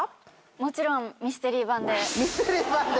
もちろんミステリー版で。